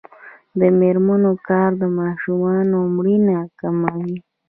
د میرمنو کار د ماشومانو مړینه کموي.